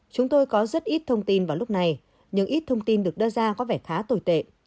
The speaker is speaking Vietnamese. chúng tôi có rất ít thông tin vào lúc này nhưng ít thông tin được đưa ra có vẻ khá tồi tệ